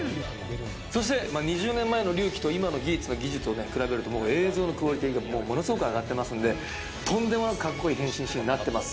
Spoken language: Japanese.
そして２０年前の「龍騎」と今の「ギーツ」の技術を比べると映像のクオリティーがものすごく上がってますのでとんでもなく格好いい変身シーンになっています。